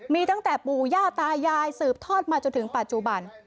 มีตั้งแต่ปู่ย่าตายายสืบทอดมาจนถึงปัจจุบัน